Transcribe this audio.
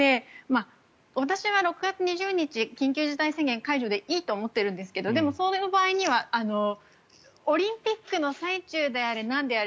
私は６月２０日緊急事態宣言解除でいいと思っているんですけどでもその場合にはオリンピックの最中であれなんであれ